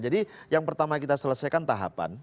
jadi yang pertama kita selesaikan tahapan